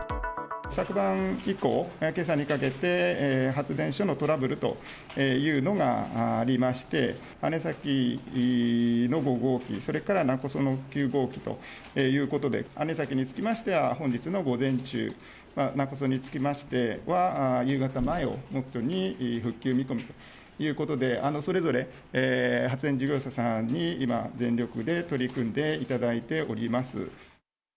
昨晩以降、けさにかけて、発電所のトラブルというのがありまして、姉崎の５号機、それから勿来の９号機ということで、姉崎につきましては、本日の午前中、勿来につきましては夕方前を目標に復旧見込みということで、それぞれ発電事業者さんに今、全力で取り組んでいただいております。